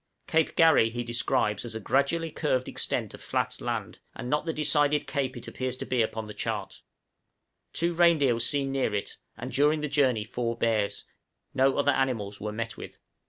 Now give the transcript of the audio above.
Cape Garry he describes as a gradually curved extent of flat land, and not the decided cape it appears to be upon the chart; two reindeer were seen near it, and during the journey four bears; no other animals were met with.